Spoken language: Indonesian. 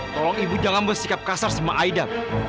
tolong ibu jangan bersikap kasar sama aida